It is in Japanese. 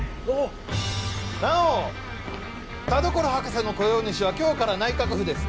なお田所博士の雇用主は今日から内閣府です